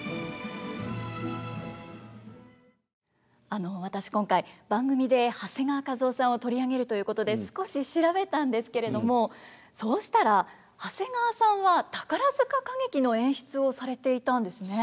あの私今回番組で長谷川一夫さんを取り上げるということで少し調べたんですけれどもそうしたら長谷川さんは宝塚歌劇の演出をされていたんですね。